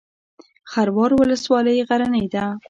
خروار ولسوالۍ غرنۍ ده؟